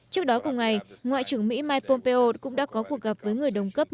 trước đó cùng ngày ngoại trưởng mỹ mike pompeo cũng đã có cuộc gặp với người đồng cấp